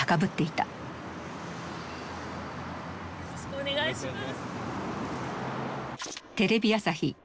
よろしくお願いします。